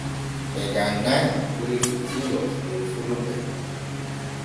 Ɓe janŋay ɓuri ɗuuɗugo der fulɓe.